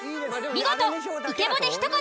見事イケボで一言！